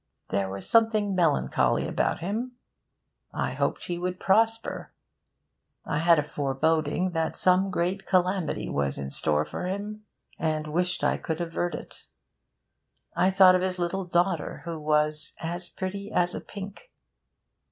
There was something melancholy about him. I hoped he would prosper. I had a foreboding that some great calamity was in store for him, and wished I could avert it. I thought of his little daughter who was 'as pretty as a pink.'